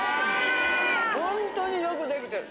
ほんとによくできてる。